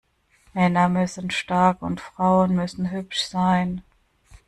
Männer müssen stark und Frauen müssen hübsch sein.